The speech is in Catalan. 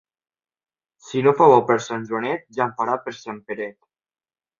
Si no fa bo per Sant Joanet, ja en farà per Sant Peret.